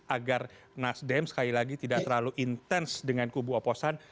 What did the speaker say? agar nasdem sekali lagi tidak terlalu intens dengan kubu oposan